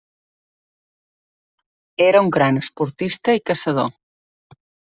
Era un gran esportista i caçador.